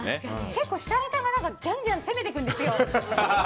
結構、設楽さんがじゃんじゃん攻めてくるんですよ。